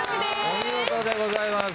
お見事でございます。